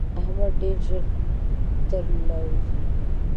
احمد ډېر ژر تر له وزي.